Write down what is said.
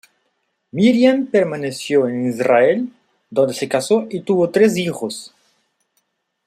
Miriam permaneció en Israel, donde se casó y tuvo tres hijos.